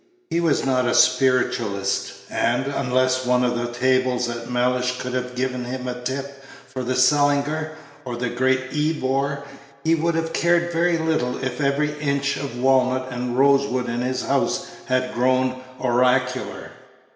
He was not a spiritualist, and, unless one of the tables at Mellish could have given him "a tip" for the "Sellinger" or Great Ebor, he would have cared very little if every inch of walnut and rose wood in his house had grown oracular.